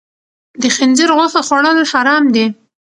د خنزیر غوښه خوړل حرام دي.